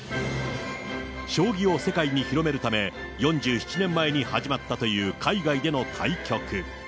将棋を世界に広めるため、４７年前に始まったという海外での対局。